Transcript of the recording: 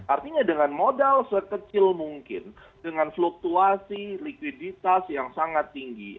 artinya dengan modal sekecil mungkin dengan fluktuasi likuiditas yang sangat tinggi